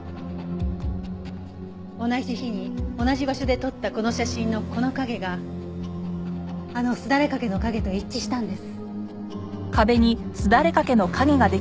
同じ日に同じ場所で撮ったこの写真のこの影があのすだれ掛けの影と一致したんです。